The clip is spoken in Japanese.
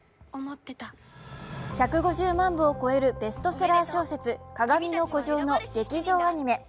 １５０万部を超えるベストセラー小説「かがみの孤城」の劇場版アニメ。